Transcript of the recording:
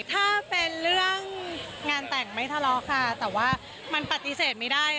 ถ้าเป็นเรื่องงานแต่งไม่ทะเลาะค่ะแต่ว่ามันปฏิเสธไม่ได้